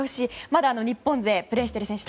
まだ日本勢、プレーしている選手